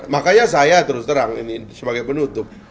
makanya saya terus terang ini sebagai penutup